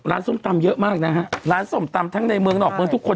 ส้มตำเยอะมากนะฮะร้านส้มตำทั้งในเมืองนอกเมืองทุกคน